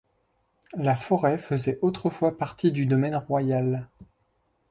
La forêt faisait autrefois partie du domaine royal.